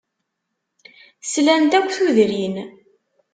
Slant akk tudrin.